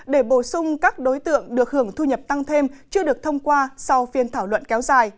để bổ sung các đối tượng được hưởng thu nhập tăng thêm chưa được thông qua sau phiên thảo luận kéo dài